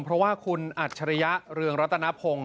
เพราะว่าคุณอัจฉริยะเรืองรัตนพงศ์